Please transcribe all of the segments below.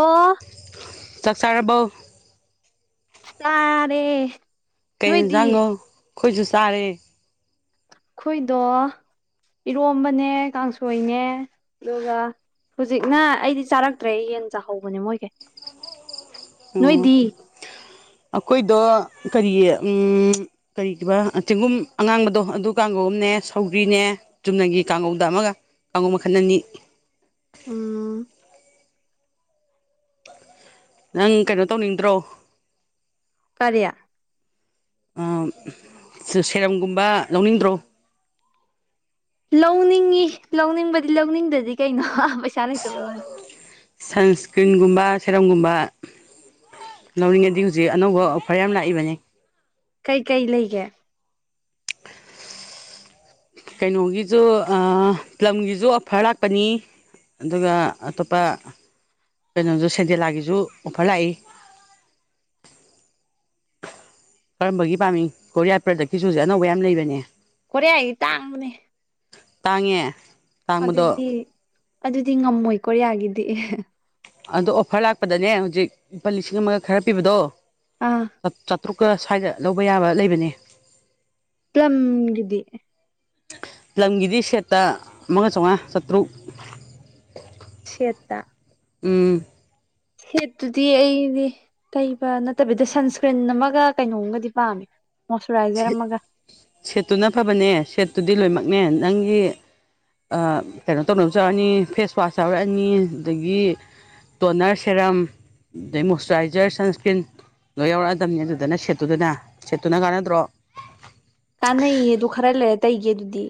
ꯑꯣ ꯆꯥꯛ ꯆꯥꯔꯔꯥꯕꯣ ꯆꯥꯔꯦ ꯀꯩ ꯅꯣꯏꯗꯤ ꯌꯦꯟꯖꯥꯡꯅꯣ ꯑꯩꯈꯣꯏꯁꯨ ꯆꯥꯔꯦ ꯑꯩꯈꯣꯏꯗꯣ ꯏꯔꯣꯝꯕꯅꯦ ꯀꯥꯡꯁꯣꯏꯅꯦ ꯑꯗꯨꯒ ꯍꯧꯖꯤꯛꯅ ꯑꯩꯗꯤ ꯆꯥꯔꯛꯇ꯭ꯔꯦ ꯌꯦꯟ ꯆꯥꯍꯧꯕꯅꯦ ꯃꯣꯏꯈꯩ ꯅꯣꯏꯗꯤ ꯑꯣ ꯑꯩꯈꯣꯏꯗꫭ ꯀꯔꯤ ꯎꯝ ꯀꯔꯤꯈꯤꯕ ꯆꯦꯡꯒꯨꯝ ꯑꯉꯥꯡꯕꯗꯣ ꯑꯗꯨ ꯀꯥꯡꯒꫭꯟ ꯑꯃꯥꯅꯤ ꯁꯧꯒꯔꯤꯅꯦ ꯆꯨꯝꯅꯒꯤ ꯀꯥꯡꯉꯧꯗ ꯑꯃꯒ ꯀꯥꯡꯉꯧ ꯃꯈꯜ ꯑꯅꯤ ꯎꯝ ꯅꯪ ꯀꯩꯅꯣ ꯇꯧꯅꯤꯡꯗ꯭ꯔꯣ ꯀꯔꯤ ꯁꯦ ꯁꯦꯔꯝ ꯒꯨꯝꯕ ꯂꯧꯅꯤꯡꯗ꯭ꯔꯣ ꯂꯧꯅꯤꯡꯉꯤ ꯂꯧꯅꯤꯡꯕꯗꯤ ꯂꯧꯅꯤꯡꯗꯗꯤ ꯀꯩꯅꯣ ꯄꯩꯁꯥ ꯂꯩꯇꯕ ꯋꯥꯅꯤ ꯁꯟꯁꯀ꯭ꯔꯤꯟꯒꯨꯝꯕ ꯁꯦꯔꯝꯒꯨꯝꯕ ꯂꯧꯅꯤꯡꯉꯗꯤ ꯍꯧꯖꯤꯛ ꯑꯅꯧꯕ ꯑꯣꯐꯔ ꯌꯥꯝ ꯂꯥꯛꯏꯕꯅꯦ ꯀꯩꯀꯩ ꯂꯩꯒꯦ ꯀꯩꯅꯣꯒꯤꯁꯨ ꯄ꯭ꯂꯝꯒꯤꯁꯨ ꯑꯣꯐꯔ ꯂꯥꯛꯄꯅꯤ ꯑꯗꯨꯒ ꯑꯇꯣꯞꯄ ꯀꯩꯅꯣꯁꯨ ꯁꯦꯟꯗꯦꯂꯥꯒꯤꯁꯨ ꯑꯣꯐꯔ ꯂꯥꯛꯏ ꯀꯔꯝꯕꯒꯤ ꯄꯥꯝꯃꯤ ꯀꯣꯔꯤꯌꯥ ꯄ꯭ꯔꯗꯛꯀꯤꯁꯨ ꯑꯅꯧꯕ ꯌꯥꯝ ꯂꯩꯕꯅꯤ ꯀꯔꯦꯌꯥꯒꯤ ꯇꯥꯡꯕꯅꯦ ꯇꯥꯡꯉꯦ ꯇꯥꯡꯕꯗꯣ ꯑꯗꯨꯗꯤ ꯑꯗꯨꯗꯤ ꯉꯝꯃꯣꯏ ꯀꯣꯔꯤꯌꯥꯒꯤꯗꯤ ꯑꯗꯣ ꯑꯣꯐꯔ ꯂꯥꯛꯄꯗꯅꯦ ꯍꯧꯖꯤꯛ ꯂꯨꯄꯥ ꯂꯤꯁꯤꯡ ꯑꯃꯒ ꯈꯔ ꯄꯤꯕꯗꯣ ꯑꯥ ꯆꯥꯇ꯭ꯔꯨꯛꯀꯥ ꯁ꯭ꯋꯥꯏꯗ ꯂꯧꯕ ꯌꯥꯕ ꯂꯩꯕꯅꯦ ꯄ꯭ꯂꯝꯒꯤꯗꯤ ꯄꯂꯝꯒꯤꯗꯤ ꯁꯦꯠꯇ ꯑꯃꯒ ꯆꯥꯃꯉꯥ ꯆꯥꯇ꯭ꯔꯨꯛ ꯁꯦꯠꯇꯥ ꯎꯝ ꯁꯦꯠꯇꯨꯗꯤ ꯑꯩꯗꯤ ꯀꯩꯕ ꯅꯠꯇꯕꯤꯗ ꯁꯟꯁꯀ꯭ꯔꯤꯟ ꯑꯃꯒ ꯀꯩꯅꯣꯝꯒꯗꯤ ꯄꯥꯝꯃꯦ ꯃꯣꯏꯁꯨꯔꯥꯏꯖꯔꯑꯃꯒꯥ ꯁꯦꯠꯇꯨꯅ ꯐꯕꯅꯦ ꯁꯦꯠꯇꯨꯗꯤ ꯂꯣꯏꯅꯃꯛꯅꯦ ꯅꯪꯒꯤ ꯀꯩꯅꯣ ꯇꯧꯅꯕꯁꯨ ꯌꯥꯎꯔꯛꯑꯅꯤ ꯐꯦꯁ ꯋꯥꯁ ꯌꯥꯎꯔꯛꯑꯅꯤ ꯑꯗꯒꯤ ꯇꯣꯅꯔ ꯁꯦꯔꯝ ꯑꯗꯩ ꯃꯣꯏꯆꯨꯔꯥꯏꯖꯔ ꯁꯟꯁ꯭ꯀ꯭ꯔꯤꯟ ꯂꯣꯏ ꯌꯥꯎꯔꯛꯑꯗꯝꯅꯤ ꯑꯗꯨꯗꯅ ꯁꯦꯠꯇꯨꯗꯅ ꯁꯦꯠꯇꯨꯅ ꯀꯥꯟꯅꯗ꯭ꯔꯣ ꯀꯅꯩꯌꯦ ꯑꯗꯨ ꯈꯔꯥ ꯇꯩꯒꯦ ꯑꯗꯨꯗꯤ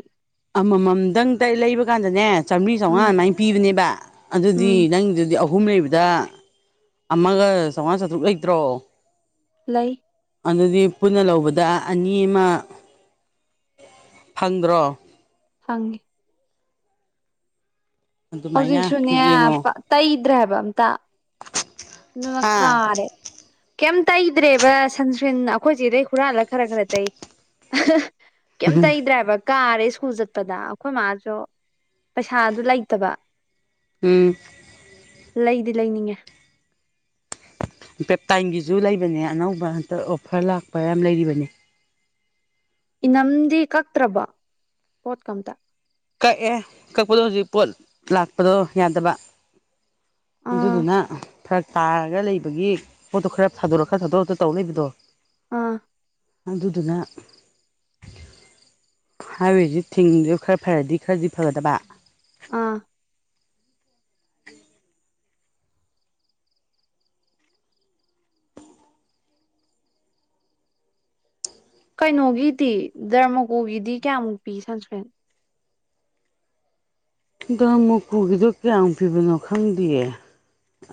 ꯑꯃꯃꯝꯗꯪ ꯂꯩꯕ ꯀꯥꯟꯗꯅꯦ ꯆꯥꯝꯕ꯭ꯔꯤ ꯎꯝ ꯆꯥꯝꯃꯉꯥ ꯑꯗꯨꯃꯥꯢ ꯄꯤꯕꯅꯦꯕ ꯑꯗꯨꯗꯤ ꯎꯝ ꯅꯪꯗꯨꯗꯤ ꯑꯍꯨꯝ ꯂꯩꯕꯗ ꯑꯃꯒ ꯆꯥꯎꯉꯥ ꯆꯥꯇ꯭ꯔꯨꯛ ꯂꯩꯇ꯭ꯔꯣ ꯂꯩ ꯑꯗꯨꯗꯤ ꯄꯨꯟꯅ ꯂꯧꯕꯗ ꯑꯅꯤ ꯑꯃ ꯐꯪꯗ꯭ꯔꯣ ꯐꯪꯉꯦ ꯑꯗꯨꯃꯥꯏꯅ ꯍꯧꯖꯤꯛꯁꯨꯅꯦ ꯌꯦꯡꯉꯣ ꯄ ꯇꯩꯗ꯭ꯔꯦ ꯍꯥꯏꯕ ꯑꯝꯇ ꯑꯗꯨꯅ ꯍꯥ ꯀꯥꯔꯦ ꯀꯩꯝ ꯇꯩꯗ꯭ꯔꯦꯕ ꯁꯟꯁꯀ꯭ꯔꯤꯟ ꯑꯩꯈꯣꯏꯆꯦꯗꯩ ꯍꯨꯔꯥꯜꯂ ꯈꯔ ꯈꯔ ꯇꯩ ꯀꯩꯝꯇꯩꯗ꯭ꯔꯦ ꯍꯥꯏꯕ ꯀꯥꯔꯦ ꯁ꯭ꯀꯨꯜ ꯆꯠꯄꯗ ꯑꯩꯈꯣꯏ ꯃꯥꯁꯨ ꯄꯩꯁꯥꯗꯨ ꯂꯩꯇꯕ ꯎꯝ ꯂꯩꯗꯤ ꯂꯩꯅꯤꯡꯉꯦ ꯄꯦꯞꯇꯥꯏꯟꯒꯤꯁꯨ ꯂꯩꯕꯅꯦ ꯑꯅꯧꯕ ꯍꯟꯇꯛ ꯑꯣꯐꯔ ꯂꯥꯛꯄ ꯌꯥꯝ ꯂꯩꯔꯤꯕꯅꯤ ꯏꯅꯝꯗꯤ ꯀꯛꯇ꯭ꯔꯕꯣ ꯄꯣꯠꯀꯥ ꯑꯃꯇꯥ ꯀꯛꯑꯦ ꯀꯛꯄꯗꯣ ꯍꯧꯖꯤꯛ ꯄꯣꯠ ꯂꯥꯛꯄꯗꯣ ꯌꯥꯗꯕ ꯑꯥ ꯑꯗꯨꯗꯨꯅ ꯐꯔꯛ ꯇꯥꯔꯒ ꯂꯩꯕꯒꯤ ꯄꯣꯠꯇꯣ ꯈꯔ ꯊꯥꯗꯣꯔꯛ ꯈꯔ ꯊꯥꯗꯣꯔꯛꯇ ꯇꯧ ꯂꯩꯕꯗꯣ ꯑꯥ ꯑꯗꯨꯗꯨꯅ ꯍꯥꯏꯋꯦꯗꯤ ꯊꯤꯡꯉꯤꯖꯨ ꯈꯔ ꯐꯔꯗꯤ ꯈꯔꯗꯤ ꯐꯒꯗꯕ ꯑꯥ ꯀꯩꯅꯣꯒꯤꯗꯤ ꯗꯔꯃꯒꯣꯒꯤꯗꯤ ꯀꯌꯥꯃꯨꯛ ꯄꯤ ꯁꯪꯁꯀ꯭ꯔꯤꯟ ꯗꯔꯃꯨꯀꯨꯒꯤꯗꯣ ꯀꯌꯥꯝ ꯄꯤꯕꯅꯣ ꯈꯪꯗꯤꯌꯦ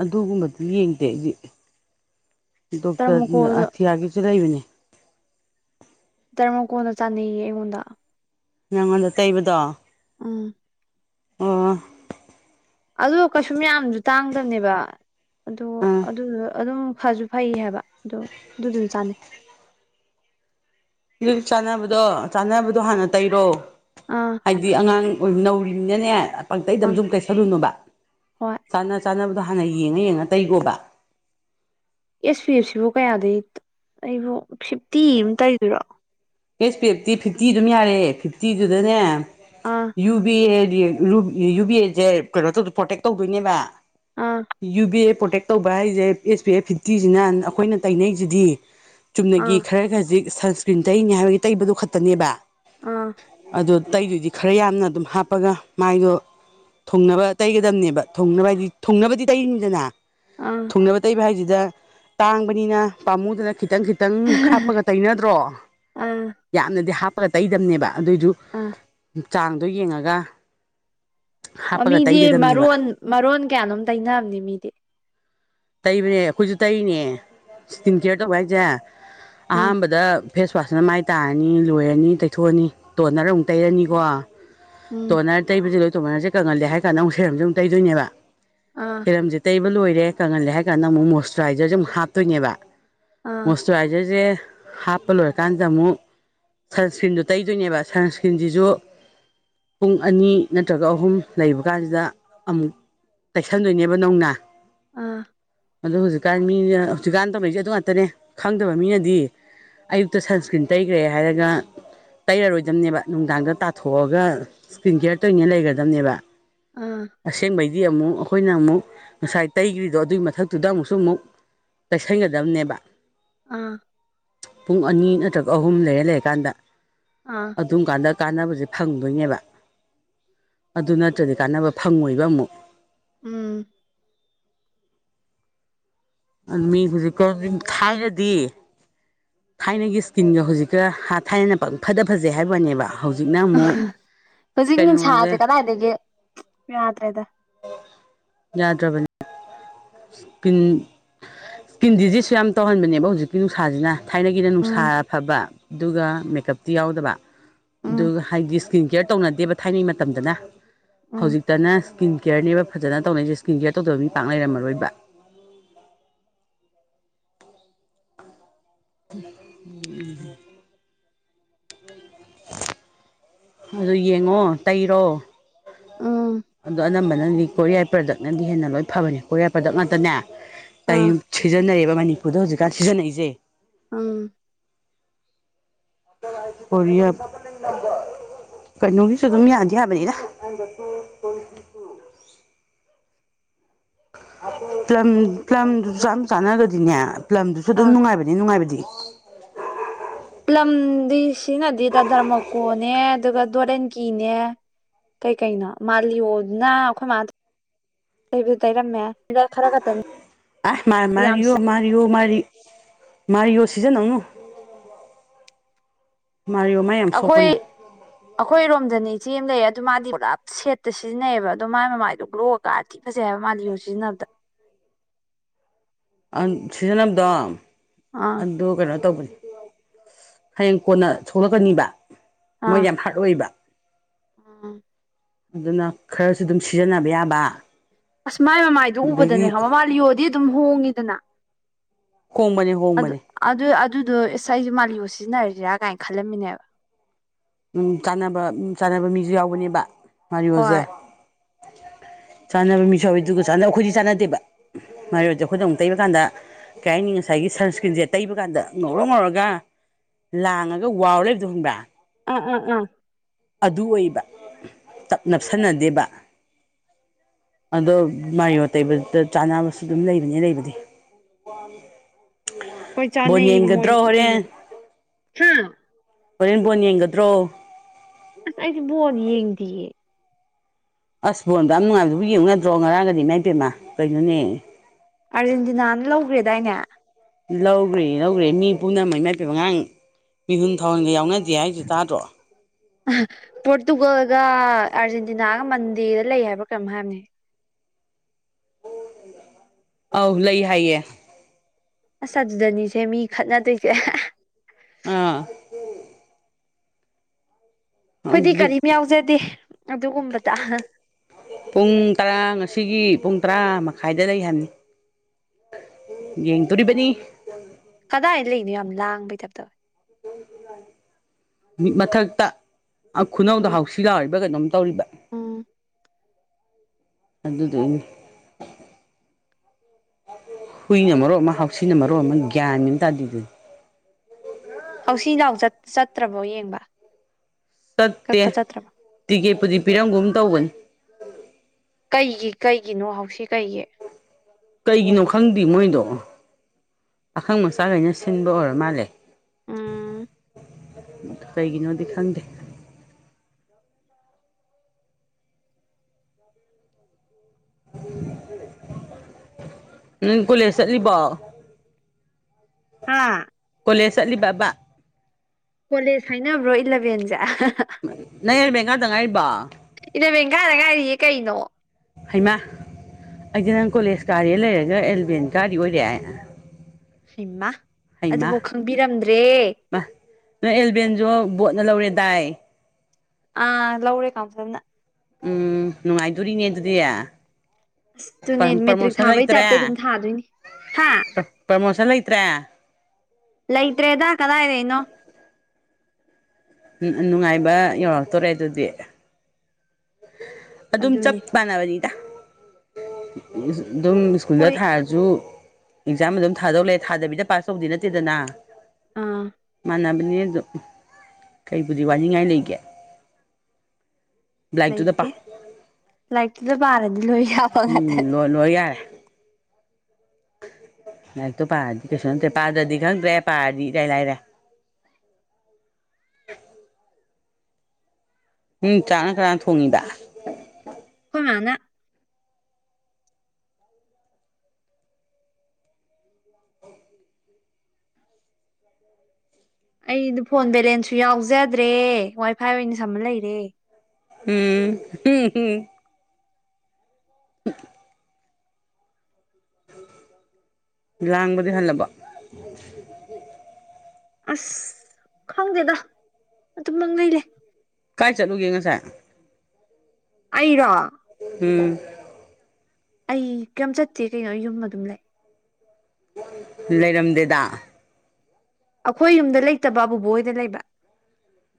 ꯑꯗꯨꯒꯨꯝꯕꯗꯨ ꯌꯦꯡꯗꯦ ꯑꯩꯗꯤ ꯗꯣꯛꯇꯔ ꯗꯔꯃꯀꯣꯒ ꯑꯥꯊꯤꯌꯥꯒꯤꯁꯨ ꯂꯩꯕꯅꯦ ꯗꯔꯃꯥꯀꯣꯅ ꯆꯥꯅꯩꯌꯦ ꯑꯩꯉꯣꯟꯗ ꯅꯉꯣꯟꯗ ꯇꯩꯕꯗꯣ ꯎꯝ ꯑꯣ ꯑꯗꯨꯗꯣ ꯀꯩꯁꯨ ꯃꯌꯥꯝꯁꯨ ꯇꯥꯡꯗꯝꯅꯦꯕ ꯑꯗꯣ ꯑꯗꯨꯗꯣ ꯑꯗꯨꯝ ꯐꯁꯨ ꯐꯩ ꯍꯥꯏꯕ ꯑꯗꯣ ꯑꯗꯨꯖꯨ ꯆꯥꯅꯩ ꯑꯗꯨꯗꯤ ꯆꯥꯅꯕꯗꯣ ꯆꯥꯅꯕꯗꯣ ꯍꯥꯟꯅ ꯇꯩꯔꯣ ꯑꯥ ꯍꯥꯏꯗꯤ ꯑꯉꯥꯡ ꯅꯧꯔꯤꯕꯅꯤꯅꯅꯦ ꯄꯪꯇꯩꯗ ꯑꯥ ꯁꯨꯝ ꯇꯩꯁꯜꯂꯨꯅꯨꯕ ꯍꯣꯏ ꯆꯥꯅ ꯆꯥꯅꯕꯗꯣ ꯍꯥꯟꯅ ꯌꯦꯡꯉ ꯌꯦꯡꯉ ꯇꯩꯒꯣꯕ ꯑꯦꯁ ꯄꯤ ꯑꯦꯐ ꯁꯤꯕꯨ ꯀꯌꯥꯗꯒꯤ ꯑꯩꯕꯨ ꯐꯤꯐꯇꯤ ꯑꯃ ꯇꯩꯗꯣꯏꯔꯣ ꯑꯦꯁ ꯄꯤ ꯑꯦꯐꯇꯤ ꯐꯤꯞꯇꯤ ꯑꯗꯨꯝ ꯌꯥꯔꯦ ꯐꯤꯐꯇꯤꯗꯨꯗꯅꯦ ꯑꯥ ꯌꯨ ꯕꯤ ꯑꯦ ꯗꯤ ꯔꯨꯕꯤ ꯌꯨ ꯚꯤ ꯑꯦꯖꯦ ꯀꯩꯅꯣ ꯇꯧ ꯄ꯭ꯔꯣꯇꯦꯛ ꯇꯧꯗꯣꯏꯅꯦꯕ ꯑꯥ ꯌꯨꯕꯤ ꯑꯦ ꯄꯣꯔꯇꯦꯛ ꯇꯧꯕ ꯍꯥꯏꯁꯦ ꯑꯦꯁ ꯄꯤ ꯑꯦꯐ ꯐꯤꯐꯇꯤꯁꯤꯅ ꯑꯩꯈꯣꯏꯅ ꯇꯩꯅꯩꯅꯩꯁꯤꯗꯤ ꯑꯥ ꯆꯨꯝꯅꯒꯤ ꯈꯔ ꯈꯖꯤꯛ ꯁꯟꯁꯀ꯭ꯔꯤꯟ ꯇꯩꯅꯤ ꯍꯥꯏꯕꯒꯤ ꯇꯩꯕꯗꯣ ꯈꯛꯇꯅꯦꯕ ꯑꯥ ꯑꯗꫭ ꯇꯩꯗꯨꯗꯤ ꯈꯔ ꯌꯥꯝꯅ ꯑꯗꯨꯝ ꯍꯥꯞꯄꯒ ꯃꯥꯏꯗꯣ ꯊꯨꯡꯅꯕ ꯇꯩꯒꯗꯕꯅꯦꯕ ꯊꯨꯡꯅꯕ ꯍꯥꯏꯗꯤ ꯊꯨꯡꯅꯕꯗꯤ ꯇꯩꯔꯤꯅꯤꯗꯅ ꯑꯥ ꯊꯨꯡꯅꯕ ꯇꯩꯕ ꯍꯥꯏꯁꯤꯗ ꯇꯥꯡꯕꯅꯤꯅ ꯄꯥꯝꯃꯨꯗꯅ ꯈꯤꯇꯪ ꯈꯤꯇꯪ ꯍꯥꯞꯄꯒ ꯇꯩꯅꯗ꯭ꯔꯣ ꯑꯥ ꯌꯥꯝꯅꯗꯤ ꯍꯥꯞꯄꯒ ꯇꯩꯗꯝꯕꯅꯦꯕ ꯑꯗꯨꯏꯗꯨ ꯑꯥ ꯆꯥꯡꯗꯣ ꯌꯦꯡꯉꯒ ꯑꯣ ꯍꯥꯞꯄꯒ ꯃꯤꯗꯤ ꯇꯩꯒꯗꯕꯅꯦꯕ ꯃꯔꯣꯟ ꯃꯔꯣꯟ ꯀꯌꯥꯅꯣꯝ ꯇꯩꯅꯝꯅꯤ ꯃꯤꯗꯤ ꯇꯩꯕꯅꯦ ꯑꯩꯈꯣꯏꯁꯨ ꯇꯩꯔꯤꯅꯦ ꯏꯁ꯭ꯀꯤꯟ ꯀꯦꯌꯔ ꯇꯧꯕ ꯍꯥꯏꯁꯦ ꯑꯥ ꯑꯍꯥꯟꯕꯗ ꯐꯦꯁꯋꯥꯁꯅ ꯃꯥꯏ ꯇꯥꯔꯅꯤ ꯂꯣꯏꯔꯅꯤ ꯇꯩꯊꯣꯛꯑꯅꯤ ꯇꯣꯟꯅꯔ ꯑꯃꯨꯛ ꯇꯩꯔꯅꯤꯀꯣ ꯎꯝ ꯇꯣꯅꯔ ꯇꯩꯕꯁꯦ ꯂꯣꯏ ꯇꯣꯅꯔꯁꯦ ꯀꯪꯍꯜꯂꯦ ꯍꯥꯏ ꯀꯥꯟꯗ ꯑꯃꯨꯛ ꯁꯦꯔꯝꯁꯦ ꯑꯃꯨꯛ ꯇꯩꯗꯣꯏꯅꯦꯕ ꯑꯥ ꯁꯦꯔꯝꯖꯦ ꯇꯩꯕ ꯂꯣꯏꯔꯦ ꯀꯪꯍꯜꯂꯦ ꯍꯥꯏꯔ ꯀꯥꯟꯗ ꯑꯃꯨꯛ ꯃꯣꯏꯇ꯭ꯔꯥꯏꯖꯔꯁꯦ ꯑꯃꯨꯛ ꯍꯥꯞꯇꯣꯏꯅꯦꯕ ꯑꯥ ꯃꯣꯁ ꯇ꯭ꯋꯥꯏꯖꯔꯖꯦ ꯍꯥꯞꯄ ꯂꯣꯏꯔꯥꯀꯥꯟꯗ ꯑꯃꯨꯛ ꯁꯟꯁ꯭ꯀ꯭ꯔꯤꯟꯗꯣ ꯇꯩꯗꯣꯏꯅꯦꯕ ꯁꯟꯁ꯭ꯀ꯭ꯔꯤꯟꯖꯤꯖꯨ ꯄꯨꯡ ꯑꯅꯤ ꯅꯠꯇ꯭ꯔꯥꯒ ꯑꯍꯨꯝ ꯂꯩꯕ ꯀꯥꯟꯖꯤꯗ ꯑꯃꯨꯛ ꯇꯥꯏꯁꯟꯗꯣꯏꯅꯦꯕ ꯅꯧꯅ ꯑꯥ ꯑꯗꯣ ꯍꯧꯖꯤꯛꯀꯥꯟ ꯃꯤꯅ ꯍꯧꯖꯤꯛꯀꯥꯟ ꯇꯧꯅꯩꯖꯦ ꯑꯗꯨ ꯉꯥꯛꯇꯅꯦ ꯈꯪꯗꯕ ꯃꯤꯅꯗꯤ ꯑꯌꯨꯛꯇ ꯁꯟꯁꯀ꯭ꯔꯤꯟ ꯇꯩꯈ꯭ꯔꯦ ꯍꯥꯏꯔꯒ ꯇꯩꯔꯥꯔꯣꯏꯗꯝꯅꯦꯕ ꯅꯨꯡꯗꯥꯡꯗ ꯇꯥꯊꯣꯛꯑꯒ ꯏꯁꯀ꯭ꯔꯤꯟ ꯀꯤꯌꯔ ꯇꯣꯏꯅꯦ ꯂꯩꯒꯗꯥꯝꯅꯦꯕ ꯑꯥ ꯑꯁꯦꯡꯕꯩꯗꯤ ꯑꯃꯨꯛ ꯑꯩꯈꯣꯏꯅ ꯑꯃꯨꯛ ꯉꯁꯥꯏ ꯇꯩꯒ꯭ꯔꯤꯗ ꯑꯗꯣ ꯑꯗꯨꯏ ꯃꯊꯛꯇꯨꯗ ꯑꯃꯨꯛꯁꯨ ꯑꯃꯨꯛ ꯇꯩꯁꯟꯒꯗꯕꯅꯦꯕ ꯑꯥ ꯄꯨꯡ ꯑꯅꯤ ꯅꯠꯇ꯭ꯔꯒ ꯑꯍꯨꯝ ꯂꯩꯔ ꯂꯩꯔꯀꯥꯟꯗ ꯑꯥ ꯑꯗꯨꯝ ꯀꯥꯟꯗ ꯀꯥꯟꯅꯕꯁꯦ ꯐꯪꯗꯣꯏꯅꯦꯕ ꯑꯗꯨ ꯅꯠꯇ꯭ꯔꯗꯤ ꯀꯥꯟꯅꯕ ꯐꯪꯉꯣꯏꯕ ꯑꯃꯨꯛ ꯎꯝ ꯑꯗꯨ ꯃꯤ ꯍꯧꯖꯤꯛꯀꯥꯟꯗꯤ ꯊꯥꯏꯅꯗꯤ ꯊꯥꯏꯅꯒꯤ ꯏꯁ꯭ꯀꯤꯟꯒ ꯍꯧꯖꯤꯛꯀ ꯍꯥ ꯊꯥꯏꯅꯅ ꯄꯪ ꯐꯗ ꯐꯖꯩ ꯍꯥꯏꯕ ꯋꯥꯅꯦꯕ ꯍꯧꯖꯤꯛꯅ ꯑꯃꯨꯛ ꯀꯩꯅꯣꯁꯦ ꯑꯩꯗꯤ ꯌꯥꯗ꯭ꯔꯦꯗ ꯌꯥꯗ꯭ꯔꯥꯕꯅꯦ ꯏꯁꯀꯤꯟ-ꯏꯁꯀꯤꯟ ꯗꯤꯖꯤꯖꯁꯨ ꯌꯥꯝ ꯇꯧꯍꯟꯕꯅꯦꯕ ꯍꯧꯖꯤꯛꯀꯤ ꯅꯨꯡꯁꯥꯖꯤꯅ ꯊꯥꯏꯅꯒꯤꯅ ꯅꯨꯡꯁꯥ ꯎꯝ ꯐꯥꯕ ꯑꯗꯨꯒ ꯃꯦꯀꯞꯇꯤ ꯌꯥꯎꯗꯕ ꯎꯝ ꯑꯗꯨꯒ ꯍꯥꯏꯗꯤ ꯏꯁ꯭ꯀꯤꯟ ꯀꯤꯌꯔ ꯇꯧꯅꯗꯦꯕ ꯊꯥꯏꯅꯩ ꯃꯇꯝꯗꯅ ꯎꯝ ꯍꯧꯖꯤꯛꯇꯅ ꯏꯁ꯭ꯀꯤꯟ ꯀꯤꯌꯔꯅꯦꯕ ꯐꯖꯅ ꯇꯧꯅꯩꯁꯦ ꯏꯁꯀ꯭ꯔꯤꯟ ꯀꯤꯌꯔ ꯇꯧꯗꯕ ꯃꯤ ꯄꯥꯛꯅ ꯂꯩꯔꯝꯃꯔꯣꯏꯕ ꯎꯝ [unintelligible] ꯑꯗꯨ ꯌꯦꯡꯉꯣ ꯇꯩꯔꯣ ꯑꯥ ꯑꯗꯣ ꯑꯅꯝꯕꯅꯗꯤ ꯀꯣꯔꯤꯌꯥ ꯄ꯭ꯔꯥꯗꯛꯅꯗꯤ ꯍꯦꯟꯅ ꯂꯣꯏ ꯐꯥꯕꯅꯤ ꯀꯣꯔꯤꯌꯥ ꯄ꯭ꯔꯥꯗꯛ ꯉꯥꯛꯇꯅꯦ ꯑꯥ ꯇꯌꯨꯛ ꯁꯤꯖꯤꯟꯅꯩꯌꯦꯕ ꯃꯅꯤꯄꯨꯔꯗ ꯍꯧꯖꯤꯛꯀꯥꯟ ꯁꯤꯖꯤꯟꯅꯩꯖꯦ ꯑꯪ ꯀꯣꯔꯤꯌꯞ ꯀꯩꯅꯣꯒꯤꯁꯨ ꯑꯗꯨꯝ ꯌꯥꯗꯤ ꯌꯥꯕꯅꯤꯗ ꯅꯝꯕꯔ ꯇꯨ ꯇꯣꯏ꯭ꯟꯇꯤꯇꯨ ꯄ꯭ꯂꯝ-ꯄ꯭ꯂꯝꯗꯨꯖꯨ ꯌꯥꯝ ꯆꯥꯟꯅꯒ꯭ꯔꯥꯗꯤꯅꯦ ꯄ꯭ꯂꯝꯗꯨꯁꯨ ꯑꯗꯨꯝ ꯑꯥ ꯅꯨꯡꯉꯥꯏꯕꯅꯦ-ꯅꯨꯡꯉꯥꯏꯕꯗꯤ ꯄ꯭ꯂꯝꯗꯤ ꯁꯤꯅꯗꯦꯗ ꯙꯔꯃꯀꯣꯅꯦ ꯑꯗꯨꯒ ꯗꯣꯠ ꯑꯧꯟ ꯀꯤꯅꯦ ꯀꯩ-ꯀꯩꯅꯣ ꯃꯥꯜꯂꯤꯌꯣꯗꯨꯅ ꯑꯩꯈꯣꯏ ꯃꯥ ꯇꯩꯕꯨ ꯇꯩꯔꯝꯃꯦ ꯍꯤꯗꯥ ꯈꯔ ꯈꯛꯇꯅꯦ ꯑꯥꯏ ꯃꯥ-ꯃꯥꯔꯤꯌꯣ-ꯃꯥꯔꯤꯌꯣ-ꯃꯥꯔꯤ- ꯃꯥꯔꯤꯌꯣ ꯁꯤꯖꯤꯟꯅꯧꯅꯨ ꯃꯥꯔꯤꯌꯣ ꯃꯥꯏ ꯌꯥꯝ ꯁꯣꯛꯄꯅꯦ ꯑꯈꯣꯏ ꯔꯣꯝꯗꯅꯤ ꯏꯆꯦ ꯑꯃ ꯂꯩꯌꯦ ꯑꯗꯨ ꯃꯥꯗꯤ ꯄꯨꯂꯞ ꯁꯦꯠꯇ ꯁꯤꯖꯤꯟꯅꯩꯌꯦꯕ ꯑꯗꯣ ꯃꯥꯏ ꯃꯃꯥꯏꯗꯣ ꯒ꯭ꯂꯣ ꯄꯥ ꯊꯤ ꯐꯖꯩ ꯍꯥꯏꯕ ꯃꯥꯜꯂꯤꯌꯣ ꯁꯤꯖꯤꯟꯅꯕꯗ ꯑꯥ ꯁꯤꯖꯤꯟꯅꯕꯗꯣ ꯑꯥ ꯑꯗꯨ ꯀꯩꯅꯣ ꯇꯧꯕꯅꯤ ꯍꯌꯦꯡ ꯀꯣꯟꯅ ꯁꯣꯛꯂꯛꯀꯅꯤꯕ ꯃꯣꯏ ꯑꯥ ꯌꯥꯝ ꯍꯥ꯭ꯔꯠ ꯑꯣꯏꯌꯦꯕ ꯎꯝ ꯑꯗꯨꯅ ꯈꯔꯥꯁꯨ ꯑꯗꯨꯝ ꯁꯤꯖꯤꯟꯅꯕ ꯌꯥꯕ ꯑꯁ ꯃꯥꯏ ꯃꯃꯥꯏꯗꯨ ꯎꯕꯗꯅꯦ ꯑꯗꯒꯤ ꯃꯥꯂꯤꯌꯣꯗꯤ ꯑꯗꯨꯝ ꯍꯣꯡꯉꯤꯗꯅ ꯍꯣꯡꯕꯅꯦ-ꯍꯣꯡꯕꯅꯦ ꯑꯗꯨ-ꯑꯗꯨꯗꯣ ꯏꯁ ꯑꯩꯁ ꯃꯥꯂꯤꯌꯣ ꯁꯤꯖꯤꯟꯅꯔꯥꯁꯤꯔꯥ ꯀꯥꯏꯅ ꯈꯜꯂꯝꯃꯤꯅꯦ ꯍꯥꯏ ꯆꯥꯅꯕ ꯆꯥꯅꯕ ꯃꯤꯁꯨ ꯌꯥꯎꯕꯅꯦꯕ ꯃꯑꯣꯁꯦ ꯍꯣꯏ ꯆꯥꯅꯕ ꯃꯤꯁꯧꯋꯦ ꯑꯗꯨꯒꯒ ꯆꯥꯟꯅꯕ ꯑꯩꯈꯣꯏꯗꯤ ꯆꯥꯟꯅꯗꯦꯕ ꯃꯔꯣꯏꯁꯦ ꯈꯨꯗꯣꯡ ꯇꯩꯕ ꯀꯥꯟꯗ ꯀꯩ ꯍꯥꯏꯅꯤ ꯉꯁꯥꯏꯒꯤ ꯁꯟꯁꯀ꯭ꯔꯤꯟꯁꯦ ꯇꯩꯕ ꯀꯥꯟꯗ ꯉꯧꯔ ꯉꯧꯔꯒ ꯂꯥꯡꯉꯒ ꯋꯥꯔ ꯂꯩꯕꯗꯣ ꯈꯪꯕ꯭ꯔꯥ ꯎꯝ ꯎ ꯎꯝ ꯑꯗꯨ ꯑꯣꯏꯕ ꯇꯞ ꯅꯞꯁꯟꯅꯗꯦꯕ ꯑꯗꯣ ꯃꯥꯏꯌꯣꯠ ꯇꯩꯕꯗꯨꯗ ꯆꯥꯅꯕꯁꯨ ꯑꯗꯨꯝ ꯂꯩꯕꯅꯦ ꯂꯩꯕꯗꯤ ꯋꯥꯝ ꯍꯣꯏ ꯆꯥꯅꯩꯕꯣꯏ ꯃꯣꯏꯗꯗꯤ ꯍꯣꯔꯦꯟ ꯕꯣꯟ ꯌꯦꯡꯒꯗ꯭ꯔꯣ ꯑꯁ ꯑꯩꯗꯤ ꯕꯣꯟ ꯌꯦꯡꯗꯤꯌꯦ ꯑꯁ ꯕꯣꯟ ꯑꯗꯨꯝ ꯌꯥꯝ ꯅꯨꯡꯉꯥꯏꯕꯕꯨ ꯌꯦꯡꯉꯨꯌꯥꯗ꯭ꯔꯣ ꯉꯔꯥꯡꯒꯗꯤ ꯃꯥꯏꯄꯦꯝꯃꯥ ꯀꯩꯅꯣꯅꯦ ꯑꯥꯔꯖꯦꯟꯇꯤꯅꯥꯅ ꯂꯧꯈꯒ꯭ꯔꯦꯗꯥꯏꯅꯦ ꯂꯧꯒ꯭ꯔꯦꯌꯦ-ꯂꯧꯒ꯭ꯔꯦꯌꯦ ꯃꯤ ꯄꯨꯝꯅꯃꯛ ꯏꯃꯥꯏꯄꯦꯃꯥ ꯉꯥꯔꯥꯡ ꯃꯤꯍꯨꯟ ꯊꯥꯟꯍꯨꯟꯒ ꯌꯥꯎꯅꯗꯦ ꯍꯥꯏꯁꯦ ꯇꯥꯗ꯭ꯔꯣ ꯑꯍꯥ ꯄ꯭ꯔꯣꯇꯨꯒꯜꯒ ꯑꯥꯔꯖꯦꯟꯇꯤꯅꯥꯒ ꯃꯟꯗꯦꯗ ꯂꯩ ꯍꯥꯏꯕ꯭ꯔꯥ ꯀꯩꯅꯣꯝ ꯍꯥꯏꯕꯅꯦ ꯑꯧ ꯂꯩ ꯍꯥꯏꯌꯦ ꯑꯁ ꯑꯗꯨꯗꯅꯤꯁꯦ ꯃꯤ ꯈꯠꯅꯗꯣꯏꯖꯦ ꯑꯥ ꯑꯈꯣꯏꯗꯤ ꯀꯔꯤꯝ ꯌꯥꯎꯖꯗꯦ ꯑꯗꯨꯒꯨꯝꯕꯗ ꯄꯨꯡ ꯇꯔꯥ ꯉꯁꯤꯒꯤ ꯄꯨꯡ ꯇꯔꯥ ꯃꯈꯥꯏꯗ ꯂꯩ ꯍꯥꯏꯝꯅꯤ ꯌꯦꯡꯗꯣꯔꯤꯕꯅꯤ ꯀꯗꯥꯏ ꯂꯩꯅꯣ ꯌꯥꯝ ꯂꯥꯡꯕꯩ ꯇꯥꯏꯞ ꯇꯧꯏ ꯃꯤꯠ ꯃꯊꯛꯇ ꯑꯥ ꯈꯨꯅꯧꯗ ꯎꯝ ꯍꯥꯎꯁꯤ ꯂꯥꯎꯔꯤꯕ ꯀꯩꯅꯣꯝ ꯇꯧꯔꯤꯕ ꯎꯝ ꯑꯗꯨꯗꯨꯏꯅꯤ ꯍꯨꯏꯅ ꯃꯔ‌ꯣꯟ ꯑꯃ ꯍꯥꯎꯁꯤꯅ ꯃꯔ‌ꯣꯟ‌ ꯑꯃ ꯒꯌꯥꯟ ꯃ‌ꯦꯟ ꯑꯃ ꯇꯥꯗ‌ꯦ ꯗꯨꯗꯤ ꯍꯥꯎꯁꯤ ꯂꯥꯎ ꯆꯠ ꯆꯠꯇ꯭ꯔꯕꯣ ꯌꯦꯡꯕ ꯆꯠꯇꯦ ꯀꯛꯄ ꯆꯠꯇ꯭ꯔꯕꯣ ꯇꯤꯀꯦꯠꯄꯨꯗꯤ ꯄꯤꯔꯝꯒꯨꯝ ꯇꯧꯕꯅꯤ ꯀꯩꯒꯤ ꯀꯩꯒꯤꯅꯣ ꯍꯥꯎꯁꯤ ꯀꯩꯒꯤ ꯀꯩꯒꯤꯅꯣ ꯈꯪꯗꯦ ꯃꯣꯏꯗꯣ ꯄꯈꯪ ꯃꯆꯥꯈꯩꯅ ꯁꯤꯟꯕ ꯑꯣꯏꯔ ꯃꯥꯜꯂꯦ ꯎꯝ ꯀꯩꯒꯤꯅꯣꯗꯤ ꯈꯪꯗꯦ [unintelligible] ꯅꯪ ꯀꯣꯂꯦꯖ ꯆꯠꯂꯤꯕꯣ ꯍꯥꯥ ꯀꯣꯂꯦꯖ ꯆꯠꯂꯤꯕꯕꯕꯥ ꯀꯣꯂꯦꯖ ꯍꯥꯏꯅꯕ꯭ꯔꯣ ꯏꯂꯚꯦꯟꯁꯦ ꯅꯪ ꯑꯦꯂꯚꯦꯟ ꯀꯥꯗ ꯉꯥꯏꯔꯤꯕꯣ ꯏꯂꯚꯦꯟ ꯀꯥꯕꯗ ꯉꯥꯏꯔꯤꯌꯦ ꯀꯩꯅꯣ ꯍꯩꯃꯥ ꯑꯩꯗꯤ ꯅꯪ ꯀꯣꯂꯦꯖ ꯀꯥꯔ‌ꯦ ꯍꯥꯏ ꯂꯩꯔꯒ ꯑꯦꯂꯚꯦꯟ ꯀꯥꯔꯤ ꯑꯣꯏꯔ‌ꯦ ꯍꯩꯃꯥ ꯑꯗꯨꯐꯥꯎ ꯈꯪꯕꯤꯔꯝꯗ꯭ꯔꯦ ꯃꯥ ꯅꯣꯏ ꯏꯂꯚꯦꯟꯁꯨ ꯕꯣꯠꯅ ꯂꯧꯔꯦ ꯍꯥꯏꯗꯥꯏ ꯑ ꯂꯧꯔ‌ꯦ ꯀꯥꯥꯎꯟꯁꯤꯜ ꯅ ꯎꯝ ꯅꯨꯡꯉꯥꯏꯗꯨꯔꯤꯅꯦ ꯑꯗꯨꯗꯤ ꯑꯁ ꯑꯗꯨꯅꯦ ꯄ꯭ꯔ ꯃꯦꯇ꯭ꯔꯤꯛ ꯄ꯭ꯔꯃꯣꯁꯟ ꯊꯥꯕꯩ ꯂꯩꯇ꯭ꯔꯦ ꯇꯥꯏꯞꯇ ꯑꯗꯨꯝ ꯊꯥꯗꯣꯏꯅꯤ ꯍꯥ ꯄ꯭ꯔ ꯄ꯭ꯔꯃꯣꯁꯟ ꯂꯩꯇ꯭ꯔꯦ ꯂꯩꯇ꯭ꯔꯦꯗ ꯀꯗꯥꯏꯗꯩꯅꯣ ꯎꯝ ꯅꯨꯡꯉꯥꯏꯕ ꯌꯧꯔꯛꯇꯣꯔꯦ ꯑꯗꯨꯗꯤ ꯑꯗꯨꯝ ꯆꯞ ꯑꯗꯨꯅꯦ ꯃꯥꯟꯅꯕꯅꯤꯗ ꯑꯗꯨꯝ ꯁ꯭ꯀꯨꯜꯗ ꯍꯣꯏ ꯊꯥꯔꯁꯨ ꯖꯨꯨ ꯑꯦꯛꯖꯥꯝ ꯑꯗꯨꯝ ꯊꯥꯗꯧ ꯂꯩ ꯊꯥꯗꯕꯤꯗ ꯄꯥꯁ ꯇꯧꯕꯗꯤ ꯅꯠꯇꯦꯗꯅ ꯑꯥ ꯃꯥꯟꯅꯕꯅꯤ ꯑꯗꯨꯝ ꯀꯩꯕꯨꯗꯤ ꯋꯥꯅꯤꯡꯉꯥꯏ ꯂꯩꯒꯦ ꯂꯥꯏꯔꯤꯛꯇꯨꯗ ꯄꯥꯎ ꯂꯩꯥꯇꯦ ꯂꯥꯏꯔꯤꯛꯇꯨꯗ ꯄꯥꯔꯗꯤ ꯂꯣꯏ ꯎꯝ ꯉꯥꯛꯇꯅꯦ ꯂꯣꯏ ꯂꯣꯏ ꯌꯥꯔꯦ ꯂꯥꯏꯔꯤꯛꯇꯣ ꯄꯥꯔꯗꯤ ꯀꯩꯁꯨ ꯅꯠꯇꯦ ꯄꯥꯗ꯭ꯔꯗꯤ ꯈꯪꯗ꯭ꯔꯦ ꯄꯥꯔꯗꯤ ꯏꯔꯥꯏ ꯂꯥꯏꯔꯦ ꯅ‌ꯣꯏ ꯆꯥꯛꯅ ꯀꯅꯥꯅ ꯊꯣꯡꯉꯤꯕ ꯈꯣꯏ ꯃꯥꯅ ꯑꯩꯗꯨ ꯐꯣꯟ ꯕꯦꯂꯦꯟꯁꯁꯨ ꯌꯥꯎꯖꯗ꯭ꯔꯦ ꯋꯥꯏ ꯐꯥꯏ ꯑꯣꯏꯅ ꯁꯝꯃ ꯂꯩꯔꯦ ꯎꯝ ꯎꯝ‌ꯎꯝ [inaudible] ꯂꯥꯡꯕꯗꯤ ꯍꯜꯂꯕ‌ꯣ [unintelligible] ꯑꯁ ꯈꯪꯗꯦꯗ ꯑꯗꯨꯝ ꯄꯪꯂꯩ ꯂꯩ ꯀꯥꯏ ꯆꯠꯂꯨꯒꯦ ꯉꯁꯥꯏ ꯑꯩꯔꯣ ꯎꯝ ꯑꯩ ꯀꯩꯝ ꯆꯠꯇꯦ ꯀꯩꯅꯣ ꯑꯩ ꯌꯨꯝ ꯑꯗꯨꯝ ꯂꯩ ꯂꯩꯔꯝꯗꯦꯗ ꯑꯩꯈꯣꯏ ꯌꯨꯝꯗ ꯂꯩꯇꯕ ꯕꯨꯕꯣꯏ ꯍ‌ꯣꯏꯗ ꯂꯩꯕ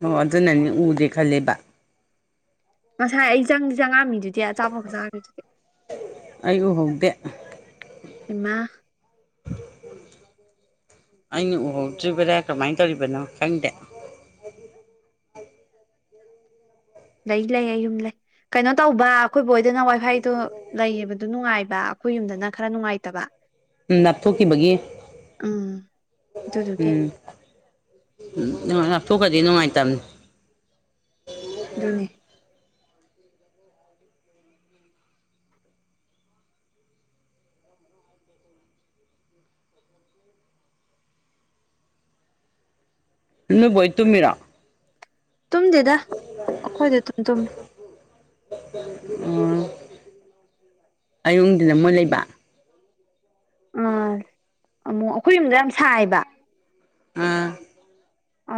ꯑꯣ ꯑꯗꯨꯅꯅ‌ꯦ ꯎꯗꯦ ꯈꯜꯂꯦꯕ ꯉꯁꯥꯏ ꯑꯩ ꯆꯪꯗꯤ ꯆꯪꯉꯛꯑꯝꯃꯤꯗꯨꯗꯤ ꯑꯆꯥꯄꯣꯠꯀ ꯆꯥꯈꯔꯤꯗꯨ ꯑꯩ ꯎꯍꯧꯗꯦ ꯍꯩꯃꯥ ꯑꯩꯅ ꯎꯍꯧꯗ꯭ꯔꯤꯕꯔꯥ ꯀꯃꯥꯏꯅ ꯇꯧꯔꯤꯕꯅꯣ ꯈꯪꯗꯦ ꯂꯩ ꯂꯩ ꯑꯩ ꯌꯨꯝ ꯂꯩ ꯀꯩꯅꯣ ꯇꯧꯕ ꯑꯩꯈꯣꯏ ꯕ‌ꯣꯛ ꯍ‌ꯣꯏꯗꯅ ꯋꯥꯏꯐꯥꯏꯗ‌ꯣ ꯂꯩꯌꯦꯕꯗꯨ ꯅꯨꯡꯉꯥꯏꯕ ꯑꯩꯈꯣꯏ ꯌꯨꯝꯗꯅ ꯈꯔ ꯅꯨꯡꯉꯥꯏꯇꯕ ꯎꯝ ꯂꯥꯞꯊꯣꯛꯈꯤꯕꯒꯤ ꯎꯝ ꯑꯗꯨꯗꯨꯒꯤ ꯎꯝ ꯎꯝ ꯂꯥꯛꯞꯊꯣꯛꯀ꯭ꯔꯗꯤ ꯅꯨꯡꯉꯥꯏꯇꯕꯅꯤ ꯑꯗꯨꯅꯤ ꯎ [unintelligible] ꯅꯣꯏꯕꯣꯛ ꯍꫭꯏ ꯇꯨꯝꯃꯤꯔꯥ ꯇꯨꯝꯗꯦꯗ ꯑꯩꯈꯣꯏꯗ ꯑꯑꯗꯨꯝ ꯇꯨꯝꯃꯦ ꯑꯣ ꯑꯌꯨꯛ ꯅꯨꯡꯗꯤꯟꯅ ꯃꯣꯏ ꯂꯩꯕ ꯑꯥ ꯑꯃꯨꯛ ꯑꯩꯈꯣꯏ ꯌꯨꯝꯗꫭ ꯌꯥꯝ ꯁꯥꯏꯕ ꯑꯥ